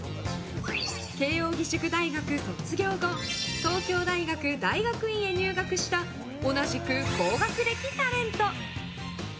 慶應義塾大学卒業後東京大学大学院へ入学した同じく高学歴タレント。